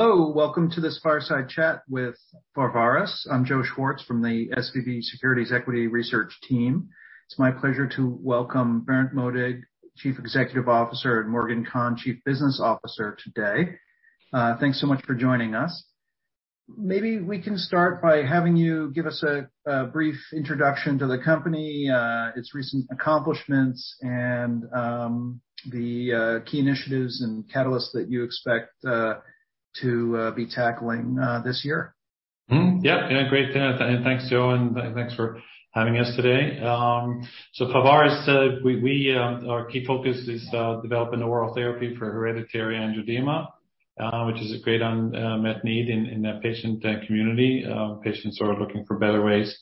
Hello, welcome to this fireside chat with Pharvaris. I'm Joseph Schwartz from the SVB Securities Equity Research Team. It's my pleasure to welcome Berndt Modig, Chief Executive Officer, and Morgan Conn, Chief Business Officer today. Thanks so much for joining us. Maybe we can start by having you give us a brief introduction to the company, its recent accomplishments, and the key initiatives and catalysts that you expect to be tackling this year. Mm-hmm. Yeah. Yeah. Great. Thanks, Joe, and thanks for having us today. Pharvaris, we our key focus is developing oral therapy for hereditary angioedema, which is a great unmet need in that patient community. Patients are looking for better ways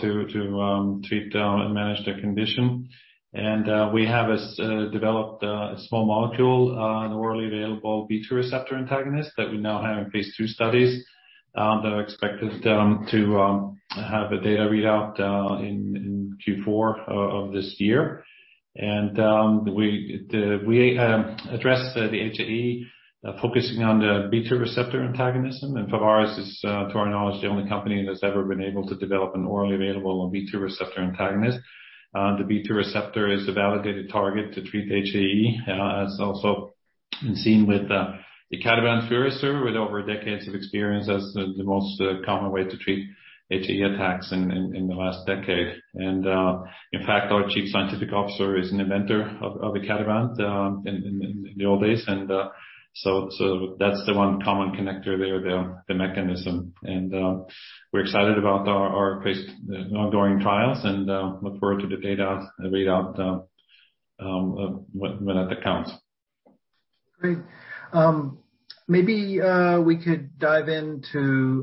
to treat and manage their condition. We have developed a small molecule, an orally available B2 receptor antagonist that we now have in phase II studies, that are expected to have a data readout in Q4 of this year. We address the HAE focusing on the B2 receptor antagonism. Pharvaris is to our knowledge the only company that's ever been able to develop an orally available B2 receptor antagonist. The B2 receptor is a validated target to treat HAE, as is also seen with icatibant and Firazyr, with over decades of experience as the most common way to treat HAE attacks in the last decade. In fact, our Chief Scientific Officer is an inventor of icatibant in the old days. So that's the one common connector there, the mechanism. We're excited about our ongoing trials and look forward to the data readout when that comes. Great. Maybe we could dive into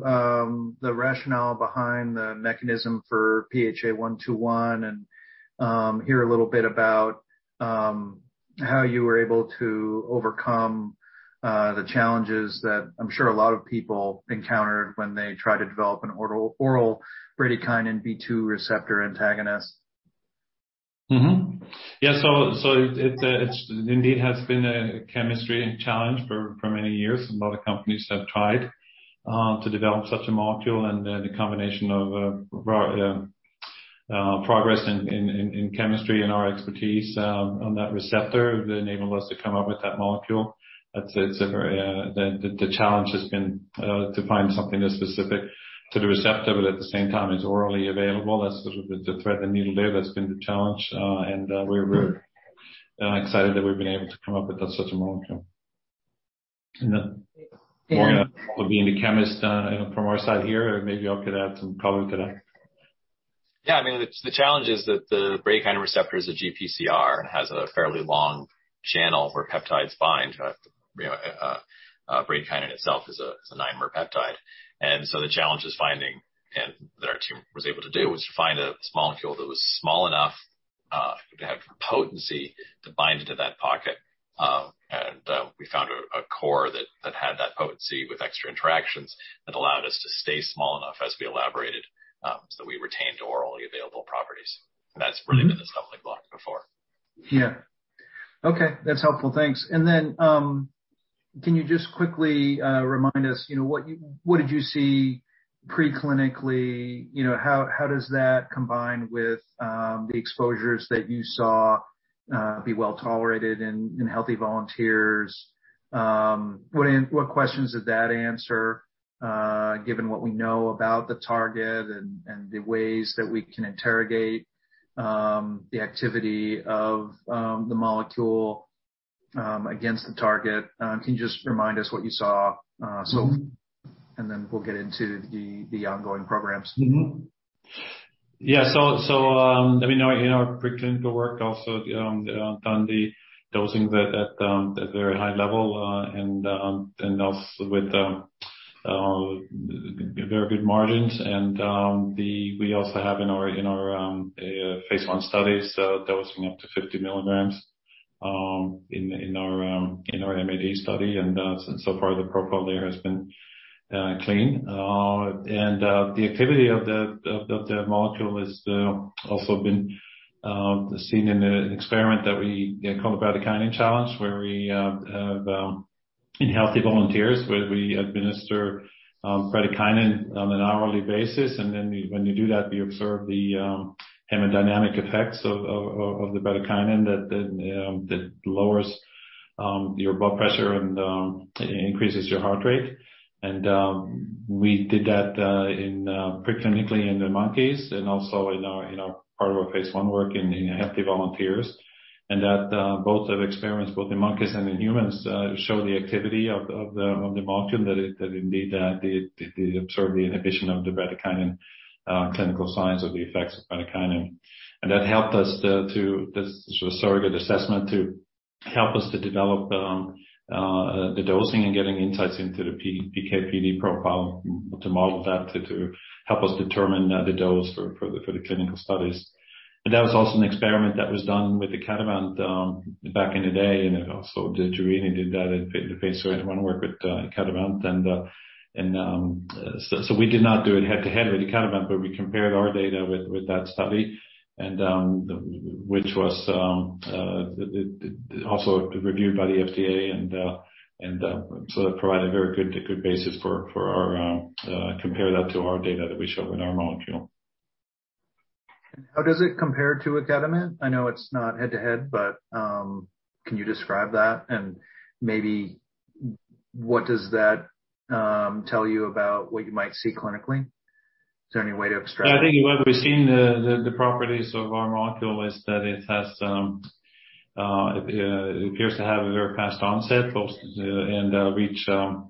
the rationale behind the mechanism for PHA121 and hear a little bit about how you were able to overcome the challenges that I'm sure a lot of people encountered when they tried to develop an oral bradykinin B2 receptor antagonist. It has been a chemistry challenge for many years. A lot of companies have tried to develop such a molecule, and the combination of progress in chemistry and our expertise on that receptor enabled us to come up with that molecule. The challenge has been to find something that's specific to the receptor, but at the same time is orally available. That's sort of the thread the needle there that's been the challenge. We're excited that we've been able to come up with such a molecule. Morgan being the chemist from our side here, maybe you could add some color to that. Yeah. I mean, the challenge is that the bradykinin receptor is a GPCR, has a fairly long channel where peptides bind. Bradykinin itself is a nine-mer peptide. The challenge is finding, and that our team was able to do, was to find a small molecule that was small enough to have potency to bind into that pocket. We found a core that had that potency with extra interactions that allowed us to stay small enough as we elaborated, so that we retained orally available properties. That's really been the stumbling block before. Yeah. Okay. That's helpful. Thanks. Can you just quickly remind us, you know, what did you see pre-clinically? You know, how does that combine with the exposures that you saw be well tolerated in healthy volunteers? What questions does that answer, given what we know about the target and the ways that we can interrogate the activity of the molecule against the target? Can you just remind us what you saw so far, and then we'll get into the ongoing programs. I mean, in our pre-clinical work also done the dosing at very high level and also with very good margins. We also have in our phase I studies dosing up to 50 milligrams in our MAD study. So far the profile there has been clean. The activity of the molecule has also been seen in an experiment that we call bradykinin challenge, where, in healthy volunteers, we administer bradykinin on an hourly basis, and then when you do that, we observe the hemodynamic effects of the bradykinin that lowers your blood pressure and increases your heart rate. We did that preclinically in the monkeys and also in our part of our phase I work in healthy volunteers. That both have experiments, both in monkeys and in humans, show the activity of the molecule that it indeed did observe the inhibition of the bradykinin, clinical signs of the effects of bradykinin. This was a surrogate assessment to help us develop the dosing and getting insights into the PK/PD profile, to model that to help us determine the dose for the clinical studies. That was also an experiment that was done with Icatibant back in the day. It also, Giorgini did that in phase I work with Icatibant. We did not do it head-to-head with Icatibant, but we compared our data with that study and which was also reviewed by the FDA and sort of provided very good basis for our compare that to our data that we show in our molecule. How does it compare to Icatibant? I know it's not head-to-head, but can you describe that and maybe what does that tell you about what you might see clinically? Is there any way to extract that? I think what we've seen, the properties of our molecule is that it appears to have a very fast onset and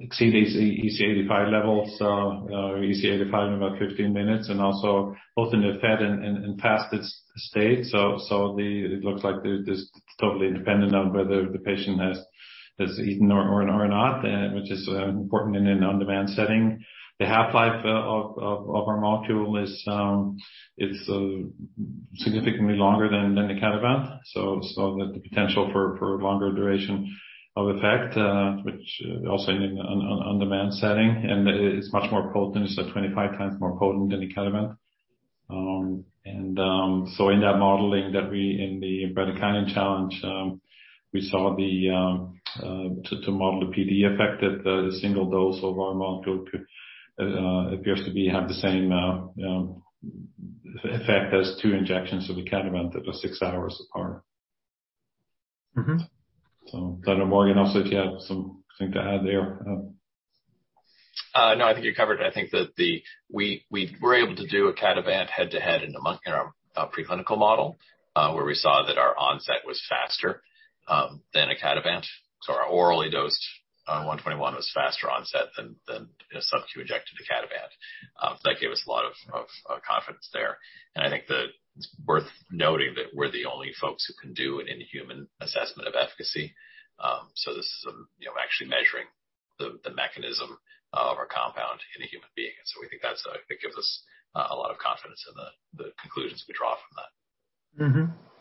exceed EC85 levels, EC85 in about 15 minutes, and also both in the fed and fasted state. It looks like this is totally independent of whether the patient has eaten or not, which is important in an on-demand setting. The half-life of our molecule is significantly longer than icatibant. The potential for longer duration of effect, which also in an on-demand setting, and it's much more potent. It's like 25x more potent than icatibant. In that modeling in the bradykinin challenge, we saw that to model the PD effect that the single dose of our molecule could appear to have the same effect as two injections of icatibant that are six hours apart. Mm-hmm. I don't know, Morgan, also if you have something to add there. No, I think you covered. I think that we were able to do icatibant head-to-head in our preclinical model, where we saw that our onset was faster than icatibant. Our orally dosed 121 was faster onset than a subQ injected icatibant. That gave us a lot of confidence there. I think that it's worth noting that we're the only folks who can do an in-human assessment of efficacy. This is, you know, actually measuring the mechanism of our compound in a human being. We think that it gives us a lot of confidence in the conclusions we draw from that. Mm-hmm. Mm-hmm.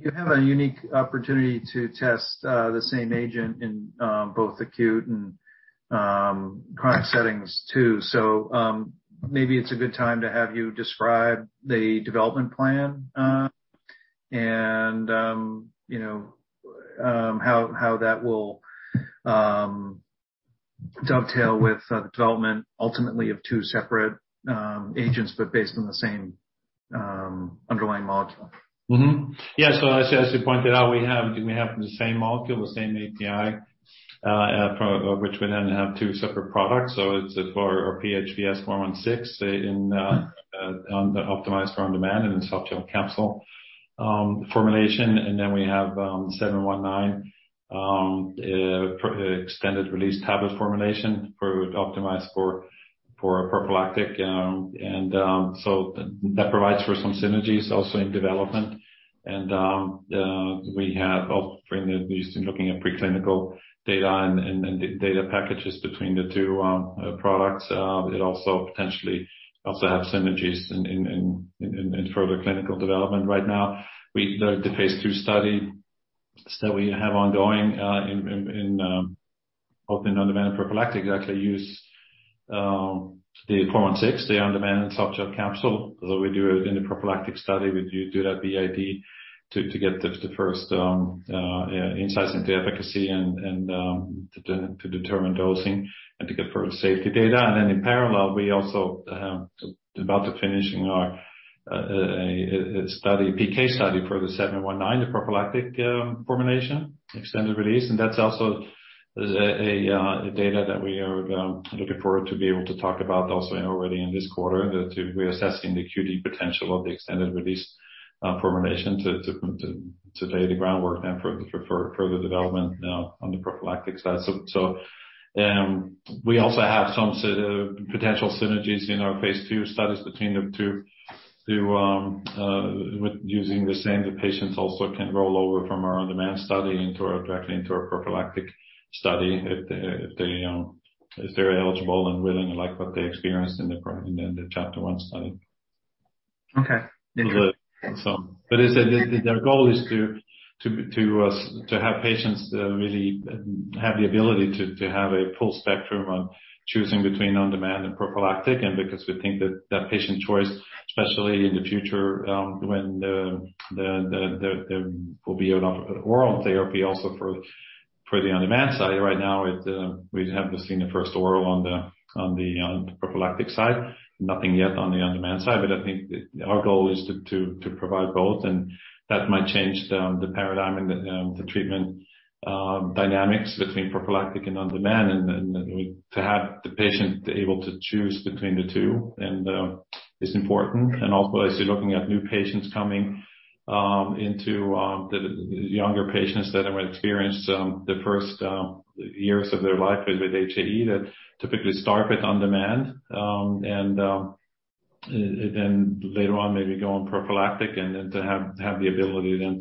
You have a unique opportunity to test the same agent in both acute and chronic settings too. Maybe it's a good time to have you describe the development plan, and you know how that will dovetail with the development ultimately of two separate agents, but based on the same underlying molecule. Yeah. As you pointed out, we have the same molecule, the same API, which we then have two separate products. It's for our PHVS416 optimized for on-demand and in softgel capsule formulation. Then we have PHVS719 extended-release tablet formulation optimized for prophylactic. We have offering these and looking at preclinical data and data packages between the two products. It also potentially have synergies in further clinical development. Right now, the phase II study that we have ongoing in both on-demand and prophylactic actually use the PHVS416, the on-demand and softgel capsule. We do it in a prophylactic study. We do that BID to get the first insights into efficacy and to determine dosing and to get further safety data. Then in parallel, we also about to finish our study, PK study for the PHVS719, the prophylactic formulation, extended release. That's also data that we are looking forward to be able to talk about also already in this quarter, that we're assessing the QD potential of the extended-release formulation to lay the groundwork then for further development on the prophylactic side. We also have some potential synergies in our phase II studies between the two with using the same. The patients also can roll over from our on-demand study directly into our prophylactic study if they're eligible and willing and like what they experienced in the CHAPTER-1 study. Okay. Is that their goal is to have patients really have the ability to have a full spectrum of choosing between on-demand and prophylactic. Because we think that patient choice, especially in the future, when there will be an oral therapy also for the on-demand side. Right now, we haven't seen the first oral on the prophylactic side. Nothing yet on the on-demand side. I think our goal is to provide both, and that might change the paradigm and the treatment dynamics between prophylactic and on-demand and to have the patient able to choose between the two is important. As you're looking at new patients coming into the younger patients that have experienced the first years of their life with HAE that typically start with on-demand and then later on maybe go on prophylactic and then to have the ability then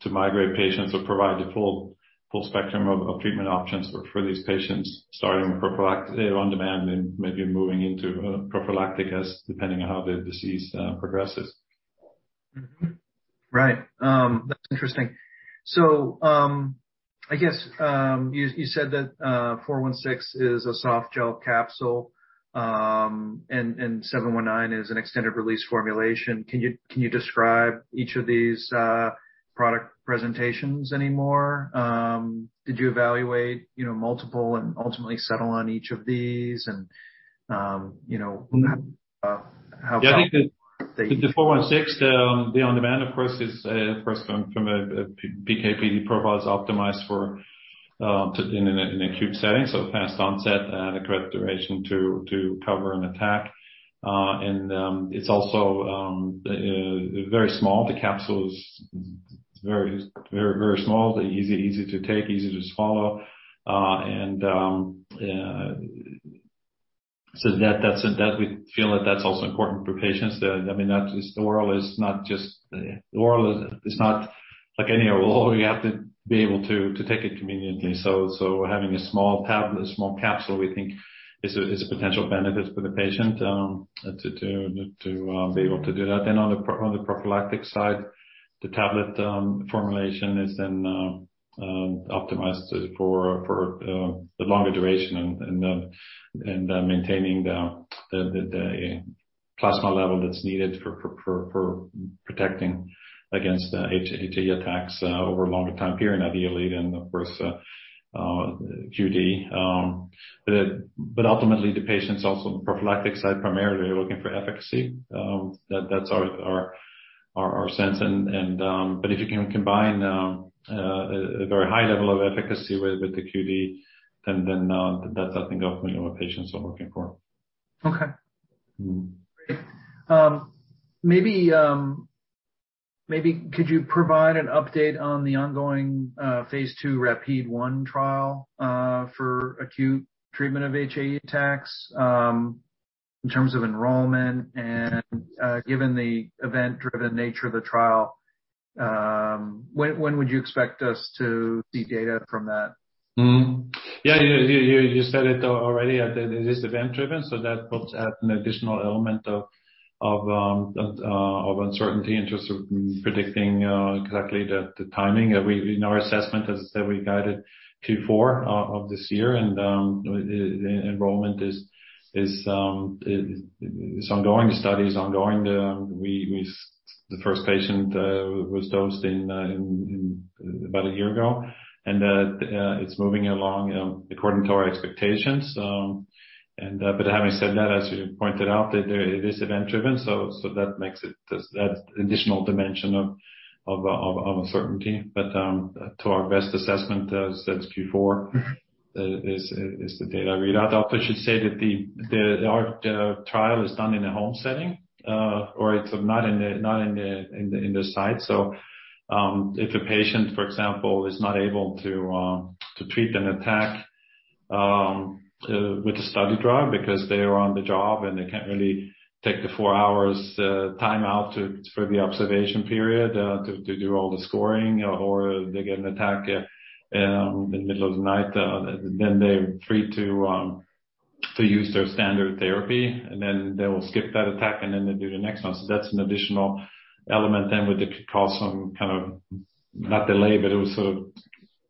to migrate patients or provide the full spectrum of treatment options for these patients starting with prophylactic, on-demand and maybe moving into prophylactic as depending on how the disease progresses. That's interesting. I guess you said that PHVS416 is a softgel capsule, and PHVS719 is an extended-release formulation. Can you describe each of these product presentations any more? Did you evaluate multiple and ultimately settle on each of these? You know, how PHVS416, the on-demand of course is first coming from a PK/PD profile is optimized for in an acute setting, so fast onset and a correct duration to cover an attack. It's also very small. The capsule is very small, easy to take, easy to swallow. That's, and that we feel that's also important for patients. I mean, that is the oral is not just, the oral is not like any oral. You have to be able to take it conveniently. Having a small tablet, a small capsule we think is a potential benefit for the patient to be able to do that. On the prophylactic side, the tablet formulation is then optimized for the longer duration and maintaining the plasma level that's needed for protecting against HAE attacks over a longer time period ideally than, of course, QD. But ultimately, the patients on the prophylactic side primarily are looking for efficacy. That's our sense. But if you can combine a very high level of efficacy with the QD, then that's, I think, ultimately what patients are looking for. Okay. Mm-hmm. Great. Maybe could you provide an update on the ongoing phase II RAPIDe-1 trial for acute treatment of HAE attacks in terms of enrollment and, given the event-driven nature of the trial, when would you expect us to see data from that? Yeah. You said it already. It is event-driven, so that puts out an additional element of uncertainty in terms of predicting exactly the timing. In our assessment, as I said, we guided Q4 of this year. The enrollment is ongoing, study is ongoing. The first patient was dosed about a year ago, and it's moving along according to our expectations. Having said that, as you pointed out, it is event-driven, so that makes it, that's additional dimension of uncertainty. To our best assessment, as I said, it's Q4 is the data read. I also should say that the trial is done in a home setting, or it's not in the site. If a patient, for example, is not able to treat an attack with a study drug because they are on the job and they can't really take the four hours time out for the observation period to do all the scoring or they get an attack in the middle of the night, then they're free to use their standard therapy, and then they will skip that attack and then they do the next one. That's an additional element then with the call, some kind of, not delay, but it was sort of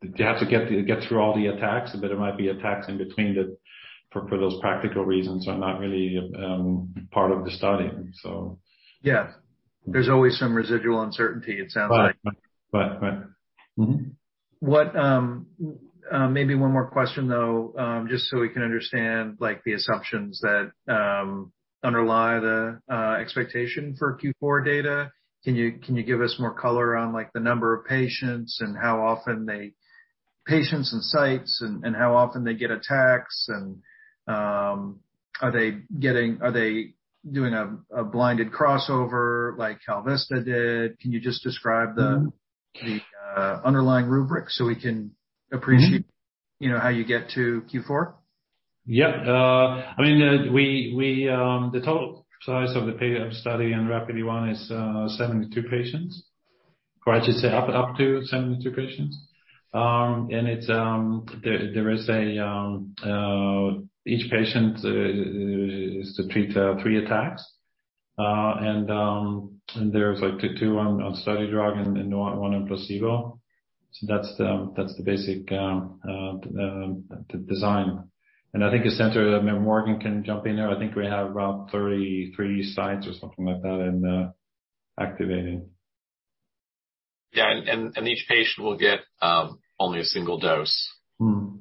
you have to get through all the attacks, but there might be attacks in between that for those practical reasons are not really part of the study. Yeah. There's always some residual uncertainty, it sounds like. Right. Mm-hmm. Maybe one more question though, just so we can understand, like, the assumptions that underlie the expectation for Q4 data. Can you give us more color on, like, the number of patients and sites and how often they get attacks? Are they doing a blinded crossover like KalVista did? Can you just describe the- Mm-hmm. the underlying rubric so we can appreciate Mm-hmm. You know, how you get to Q4? Yeah. I mean, the total size of the study in RAPIDe-1 is 72 patients, or I should say up to 72 patients. Each patient is to treat three attacks. There's like two on study drug and one on placebo. That's the basic design. I think that's where Morgan can jump in there. I think we have about 33 sites or something like that and activated. Yeah. Each patient will get only a single dose. Mm-hmm.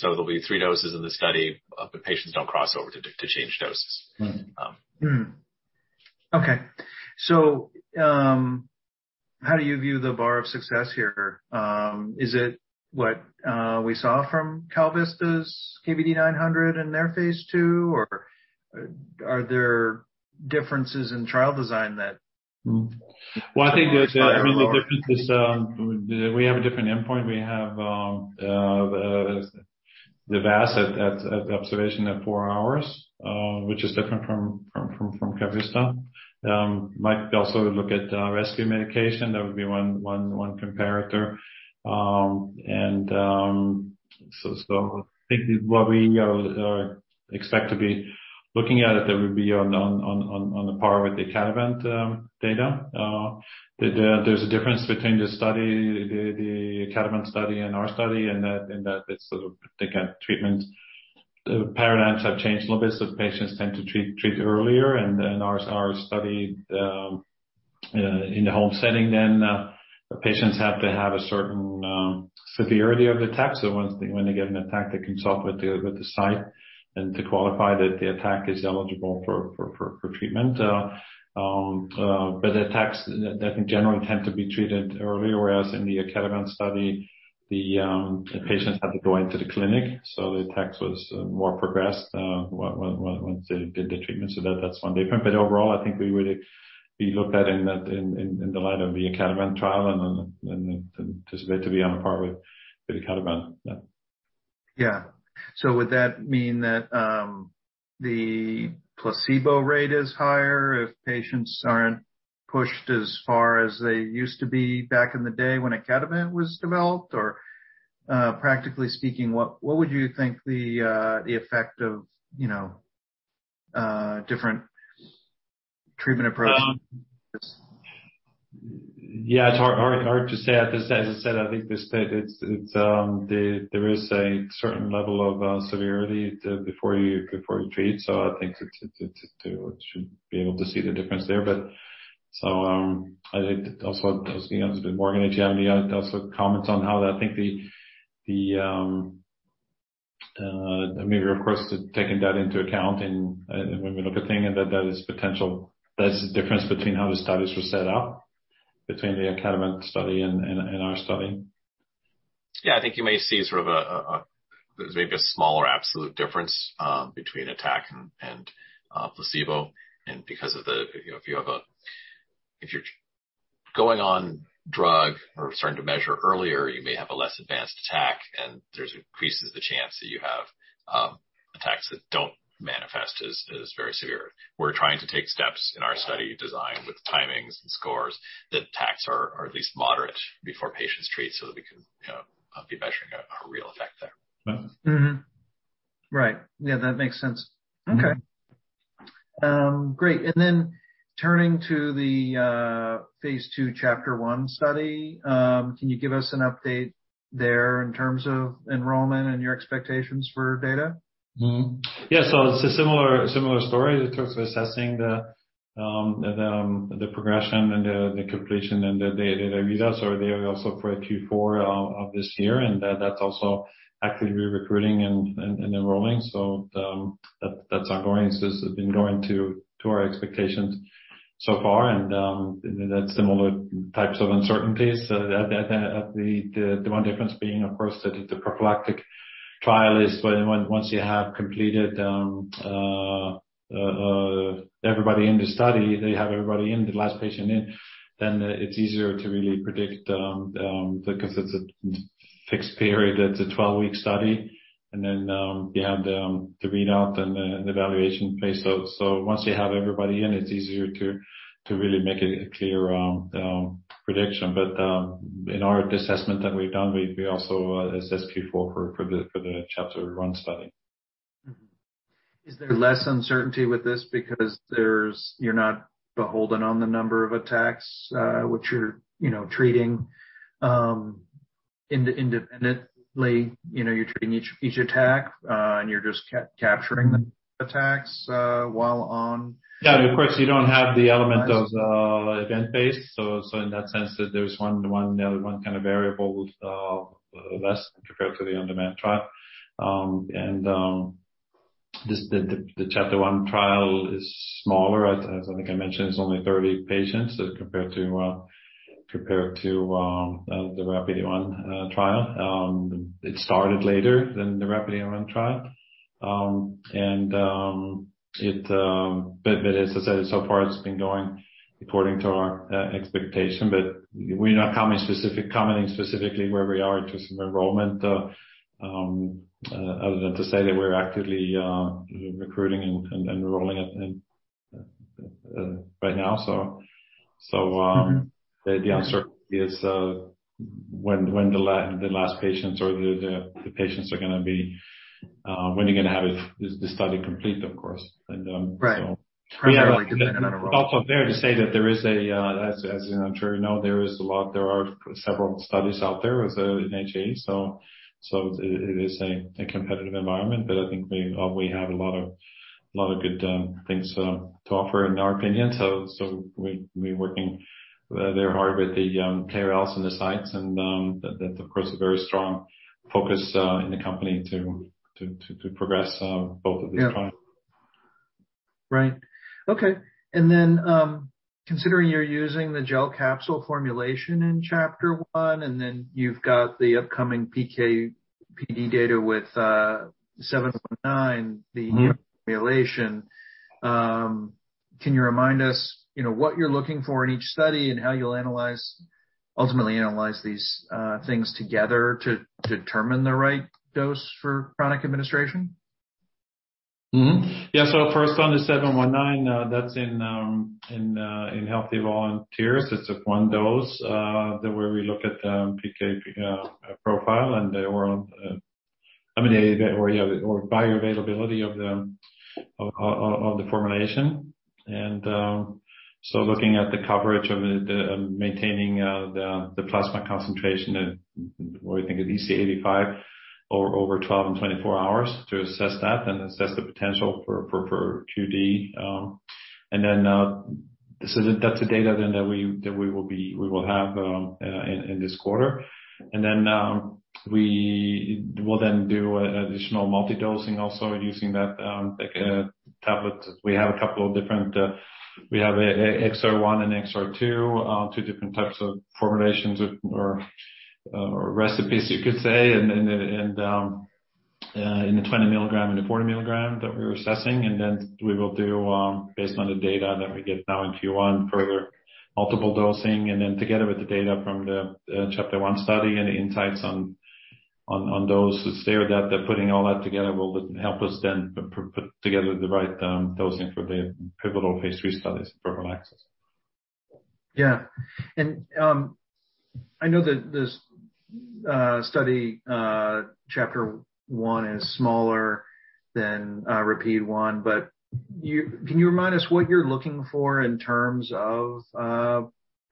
There'll be three doses in the study. Patients don't cross over to change doses. Mm-hmm. Okay. How do you view the bar of success here? Is it what we saw from KalVista's KVD900 in their phase II, or are there differences in trial design that- Well, I think, I mean, the difference is, we have a different endpoint. We have the VAS at the observation at four hours, which is different from KalVista. We might also look at rescue medication. That would be one comparator. I think what we expect to be looking at it, that would be on par with the icatibant data. There's a difference between the study, the icatibant study and our study in that it's sort of they got treatment. The paradigms have changed a little bit, so patients tend to treat earlier. In our study in the home setting, the patients have to have a certain severity of attacks. Once they get an attack, they consult with the site and to qualify that the attack is eligible for treatment. The attacks in general tend to be treated early, whereas in the icatibant study, the patients had to go into the clinic. The attacks was more progressed once they did the treatment. That’s one difference. Overall, I think we would be looked at in the light of the icatibant trial and anticipate to be on par with icatibant. Yeah. Yeah. Would that mean that the placebo rate is higher if patients aren't pushed as far as they used to be back in the day when icatibant was developed? Or, practically speaking, what would you think the effect of, you know, different treatment approaches? Yeah, it's hard to say. As I said, I think the state it's, there is a certain level of severity before you treat. I think it should be able to see the difference there. I think also asking a bit more energy also comments on how that I think the maybe of course, taking that into account and when we look at thing and that there is potential. There's a difference between how the studies were set up between the icatibant study and our study. Yeah. I think you may see sort of, there is maybe a smaller absolute difference between attack and placebo. Because if you're going on drug or starting to measure earlier, you may have a less advanced attack, and that increases the chance that you have attacks that don't manifest as very severe. We're trying to take steps in our study design with timings and scores that attacks are at least moderate before patients treat so that we can be measuring a real effect there. Yeah. Mm-hmm. Right. Yeah, that makes sense. Mm-hmm. Okay. Great. Then turning to the phase II CHAPTER-1 study, can you give us an update there in terms of enrollment and your expectations for data? Mm-hmm. Yeah. It's a similar story in terms of assessing the progression and the completion and the data readouts are there also for Q4 of this year. That's also actively recruiting and enrolling. That's ongoing. It's been going according to our expectations so far. That's similar types of uncertainties. The one difference being, of course, that the prophylactic trial, once you have completed everybody in the study, the last patient in, then it's easier to really predict because it's a fixed period. It's a 12-week study. Then you have the readout and the evaluation phase. Once you have everybody in, it's easier to really make a clear prediction. In our assessment that we've done, we also assess Q4 for the CHAPTER-1 study. Mm-hmm. Is there less uncertainty with this because you're not beholden on the number of attacks, which you're, you know, treating independently. You know, you're treating each attack, and you're just capturing the attacks while on- Yeah. Of course, you don't have the element of event-based. In that sense, there's one kind of variable less compared to the on-demand trial. The CHAPTER-1 trial is smaller. As I think I mentioned, it's only 30 patients as compared to the RAPIDe-1 trial. It started later than the RAPIDe-1 trial. As I said, so far it's been going according to our expectation. We're not commenting specifically where we are in terms of enrollment, other than to say that we're actively recruiting and enrolling right now. The answer is when the last patients or the patients are gonna be when you're gonna have it, is the study complete, of course. Right. We have- Primarily dependent on enrollment. also fair to say that, as I'm sure you know, there are several studies out there in HAE. It is a competitive environment. I think we have a lot of good things to offer in our opinion. We're working very hard with the KOLs and the sites, and that, of course, is a very strong focus in the company to progress both of these trials. Considering you're using the softgel capsule formulation in CHAPTER-1, and then you've got the upcoming PK/PD data with PHVS719, the formulation, can you remind us, you know, what you're looking for in each study and how you'll ultimately analyze these things together to determine the right dose for chronic administration? First one is PHVS719. That's in healthy volunteers. It's a one dose where we look at PK profile and the world, I mean, or bioavailability of the formulation. Looking at the coverage of maintaining the plasma concentration at EC85 over 12 and 24 hours to assess that and assess the potential for QD. That's the data that we will have in this quarter. Then we will do an additional multi-dosing also using that tablet. We have a couple of different XR one and XR two different types of formulations or recipes you could say, in the 20 milligram and the 40 milligram that we were assessing. We will do based on the data that we get now in Q1, further multiple dosing. Together with the data from the CHAPTER-1 study and the insights on those to steer that, putting all that together will help us put together the right dosing for the pivotal phase III studies for prophylaxis. Yeah. I know that this study, Chapter 1 is smaller than RAPIDe-1. Can you remind us what you're looking for in terms of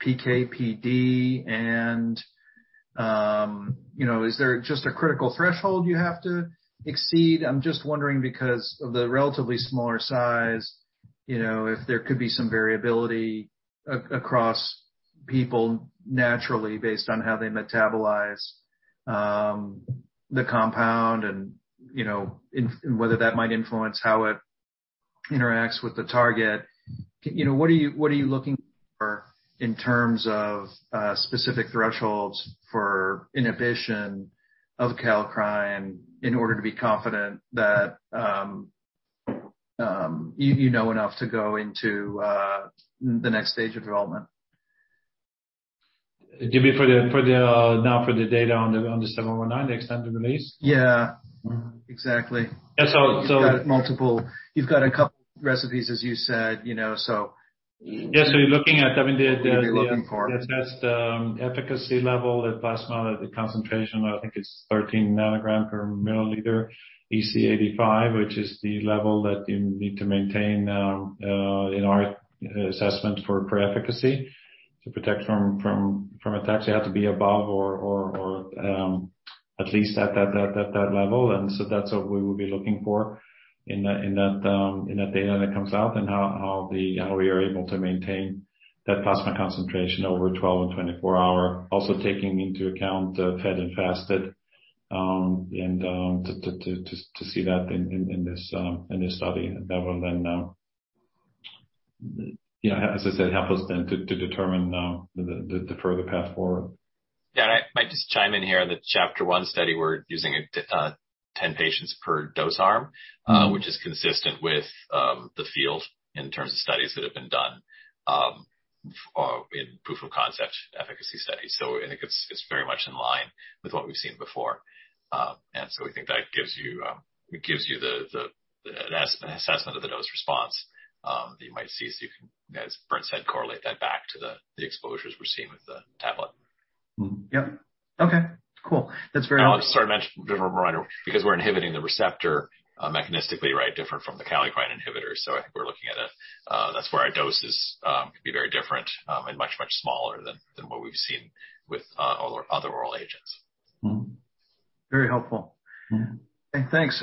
PK/PD and, you know, is there just a critical threshold you have to exceed? I'm just wondering because of the relatively smaller size, you know, if there could be some variability across people naturally based on how they metabolize the compound and, you know, whether that might influence how it interacts with the target. You know, what are you looking for in terms of specific thresholds for inhibition of kallikrein in order to be confident that you know enough to go into the next stage of development? Do you mean now for the data on the 719, the extended-release? Yeah. Exactly. And so- You've got a couple recipes, as you said, you know, so- Yes. You're looking at, I mean, the What you're looking for. The test efficacy level, the plasma, the concentration, I think it's 13 ng/mL EC85, which is the level that you need to maintain in our assessment for efficacy to protect from attacks. You have to be above or at least at that level. That's what we will be looking for in that data when it comes out and how we are able to maintain that plasma concentration over 12 and 24 hours, also taking into account fed and fasted to see that in this study. That will then you know as I said help us then to determine the further path forward. Yeah. I might just chime in here. The CHAPTER-1 study, we're using 10 patients per dose arm. Mm-hmm. Which is consistent with the field in terms of studies that have been done in proof of concept efficacy studies. I think it's very much in line with what we've seen before. We think that gives you an assessment of the dose response that you might see. You can, as Berndt said, correlate that back to the exposures we're seeing with the tablet. Mm-hmm. Yep. Okay, cool. That's very helpful. I'll just sort of mention a reminder, because we're inhibiting the receptor mechanistically, right? Different from the kallikrein inhibitor. I think that's where our doses could be very different and much, much smaller than what we've seen with other oral agents. Mm-hmm. Very helpful. Yeah. Thanks.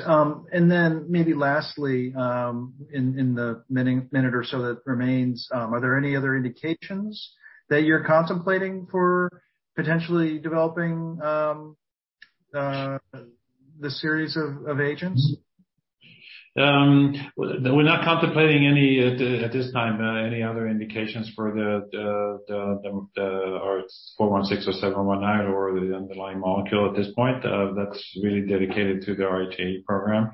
Then maybe lastly, in the minute or so that remains, are there any other indications that you're contemplating for potentially developing the series of agents? We're not contemplating any, at this time, any other indications for our 416 or 719 or the underlying molecule at this point. That's really dedicated to the HAE program.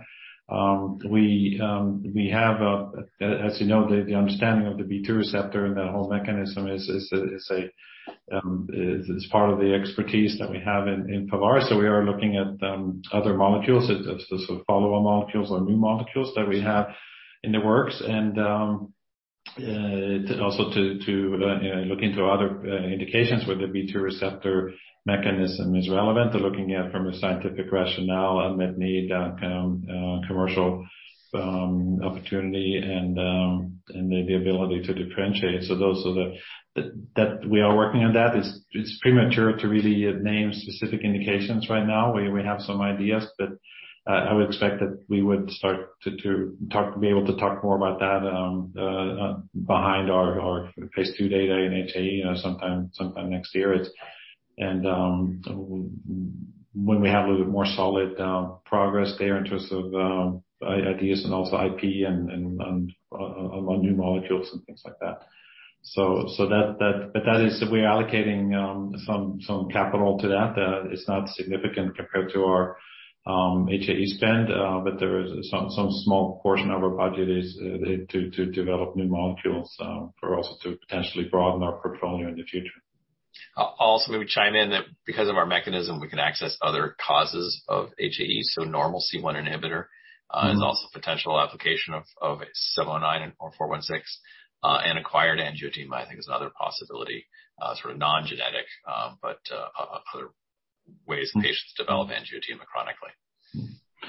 We have, as you know, the understanding of the B2 receptor and the whole mechanism is part of the expertise that we have in Pharvaris. We are looking at other molecules as the sort of follow on molecules or new molecules that we have in the works to also look into other indications where the B2 receptor mechanism is relevant. We're looking at from a scientific rationale, unmet need, commercial opportunity and maybe ability to differentiate. That we are working on that. It's premature to really name specific indications right now where we have some ideas. I would expect that we would start to be able to talk more about that behind our phase II data in HAE sometime next year. When we have a little bit more solid progress there in terms of ideas and also IP and on new molecules and things like that. That is, we're allocating some capital to that. It's not significant compared to our HAE spend, but there is some small portion of our budget is to develop new molecules for us to potentially broaden our portfolio in the future. Also, let me chime in that because of our mechanism, we can access other causes of HAEs. Normal C1 inhibitor- Mm-hmm. is also a potential application of PHVS719 or PHVS416, and acquired angioedema I think is another possibility, sort of non-genetic, but other ways patients develop angioedema chronically.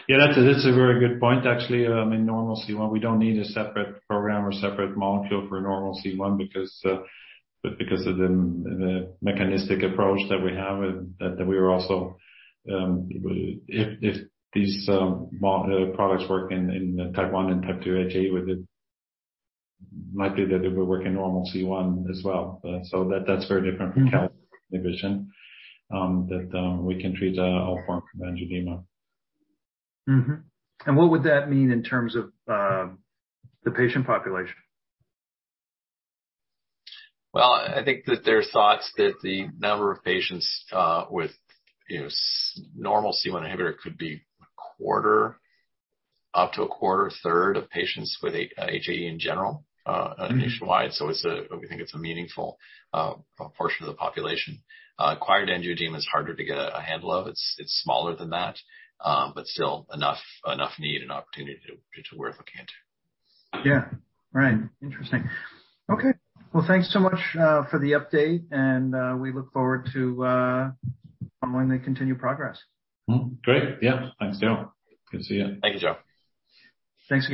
Yeah, that's a very good point actually. I mean, normal C1, we don't need a separate program or separate molecule for normal C1 because of the mechanistic approach that we have and that we are also if these products work in type one and type two HAE with it, might be that they will work in normal C1 as well. So that's very different from kallikrein inhibition that we can treat all forms of angioedema. Mm-hmm. What would that mean in terms of the patient population? Well, I think that there's thoughts that the number of patients with, you know, normal C1 inhibitor could be a quarter, up to a quarter, third of patients with HAE in general, nationwide. Mm-hmm. It's a meaningful portion of the population. Acquired angioedema is harder to get a handle of. It's smaller than that, but still enough need and opportunity to work with it. Yeah. Right. Interesting. Okay. Well, thanks so much for the update, and we look forward to following the continued progress. Great. Yeah. Thanks, Joe. Good to see you. Thank you, Joe. Thanks again.